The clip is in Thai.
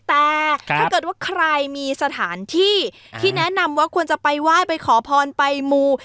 แต่ถ้าเกิดว่าใครมีสถานที่ที่แนะนำว่าควรจะไปไหว้ไปขอพรไปมู